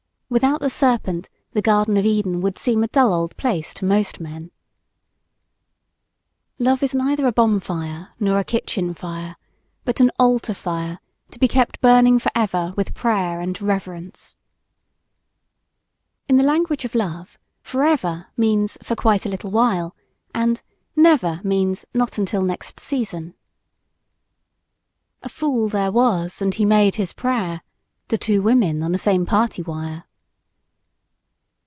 Without the Serpent, the Garden of Eden would seem a dull old place to most men. Love is neither a bonfire, nor a kitchen fire; but an altar fire, to be kept burning forever with prayer and reverence. In the language of love, "Forever!" means for quite a little while and "Never!" means not until next season. "A fool there was, and he made his prayer" to two women on the same party wire.